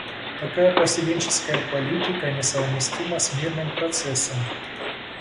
Такая поселенческая политика не совместима с мирным процессом.